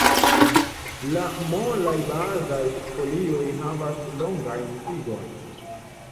La molaj bazaj folioj havas longajn tigojn.